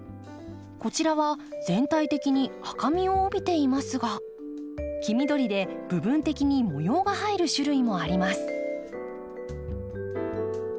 こちらは全体的に赤みを帯びていますが黄緑で部分的に模様が入る種類もあります。